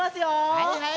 はいはい。